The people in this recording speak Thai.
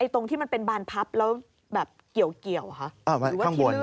ตรงที่มันเป็นบานพับแล้วเกี่ยวหรือว่าที่เลื่อน